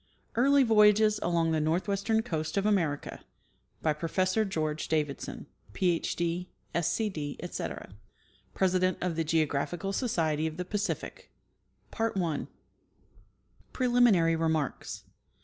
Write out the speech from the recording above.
EARLY VOYAGES ON THE NORTHWESTERN COAST OF AMERICA • PROFESSOR GEORGE DAVIDSON, PH. D., SC. D., ETC. {President of the Geographical Society of the Pacific) Preliminary Remarks.